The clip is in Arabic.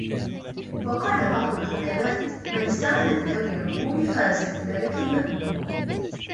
وَقَالَ بَعْضُ الْحُكَمَاءِ مَنْ اسْتَعَانَ بِذَوِي الْعُقُولِ فَازَ بِدَرَكِ الْمَأْمُولِ